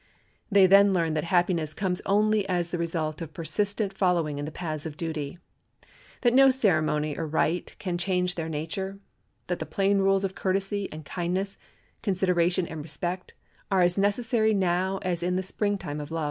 They then learn that happiness comes only as the result of persistent following in the paths of duty, that no ceremony or rite can change their nature, that the plain rules of courtesy and kindness, consideration and respect, are as necessary now as in the Spring time of love.